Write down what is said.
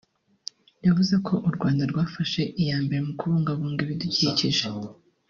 yavuze ko u Rwanda rwafashe iya mbere mu kubugabunga ibidukikije